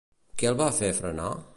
Què el va fer frenar?